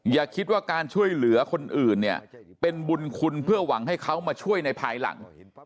อย่าคิดว่าการช่วยเหลือคนอื่นเนี่ยเป็นบุญคุณเพื่อหวังให้เขามาช่วยในภายหลัง